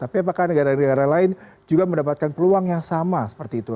tapi apakah negara negara lain juga mendapatkan peluang yang sama seperti itu